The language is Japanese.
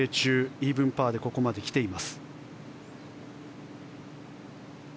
イーブンパーでここまで来ています。